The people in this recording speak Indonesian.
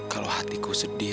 kalau hatiku sedih